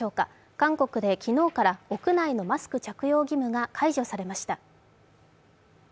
韓国で昨日から屋内のマスク着用義務が解除されました。